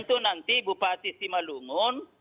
tentu nanti bupati simalungun